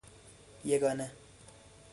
یگانه